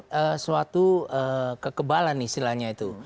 sesuatu kekebalan nih silahnya itu